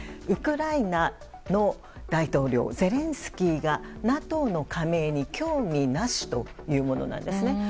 ウクライナの大統領ゼレンスキーがＮＡＴＯの加盟に興味なしというものなんですね。